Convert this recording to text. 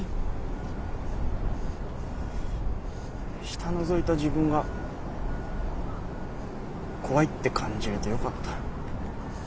下のぞいた自分が怖いって感じれてよかった。